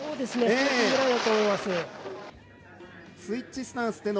スイッチスタンス。